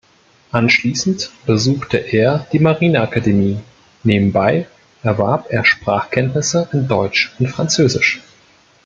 Anschließend besuchte er die Marineakademie, nebenbei erwarb er Sprachkenntnisse in Deutsch und Französisch.